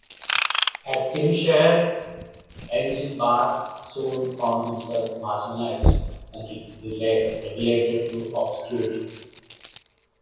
At Tymshare, Engelbart soon found himself marginalized and relegated to obscurity.